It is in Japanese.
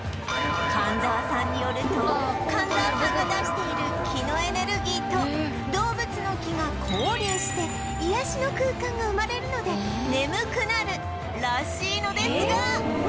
神沢さんによると神沢さんが出している気のエネルギーと動物の気が交流して癒やしの空間が生まれるので眠くなるらしいのですが